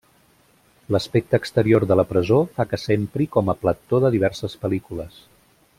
L'aspecte exterior de la presó fa que s'empri com a plató de diverses pel·lícules.